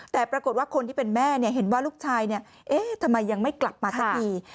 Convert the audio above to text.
แต่ปรากฏว่าคนที่เป็นแม่เห็นว่าลูกชายทำไมยังไม่กลับมาสักที